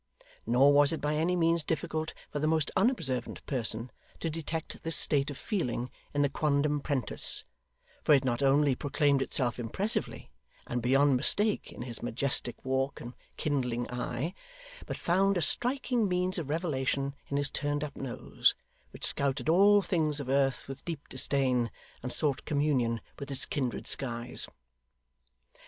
Nor was it by any means difficult for the most unobservant person to detect this state of feeling in the quondam 'prentice, for it not only proclaimed itself impressively and beyond mistake in his majestic walk and kindling eye, but found a striking means of revelation in his turned up nose, which scouted all things of earth with deep disdain, and sought communion with its kindred skies.